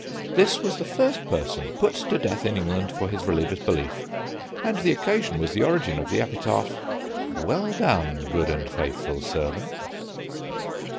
This was the first person put to death in England for his religious belief, and the occasion was the origin of the epitaph, "Well done, good and faithful servant."